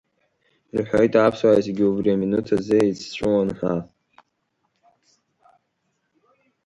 Ирҳәоит аԥсуаа зегьы убри аминуҭ азы еицҵәуон ҳәа.